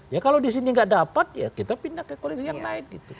ya kalau di sini nggak dapat ya kita pindah ke koalisi yang naik gitu